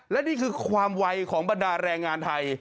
และนี่คือความไวของบรรดาแรงงานไทย